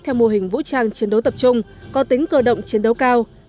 theo mô hình vũ trang chiến đấu tập trung có tính cơ động chiến đấu cao